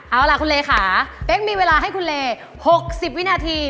เอาล่ะคุณเลค่ะเป๊กมีเวลาให้คุณเล๖๐วินาที